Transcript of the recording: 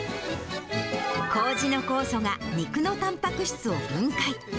こうじの酵素が肉のたんぱく質を分解。